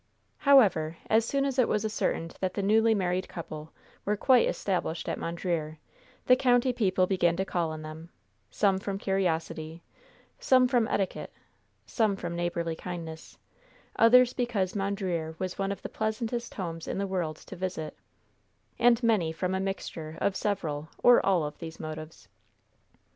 However, as soon as it was ascertained that the newly married couple were quite established at Mondreer, the county people began to call on them some from curiosity, some from etiquette, some from neighborly kindness, others because Mondreer was one of the pleasantest houses in the world to visit, and many from a mixture of several or of all these motives.